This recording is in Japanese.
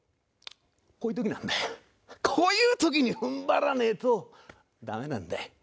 こういう時なんだよ。こういう時に踏ん張らねえとダメなんだよ。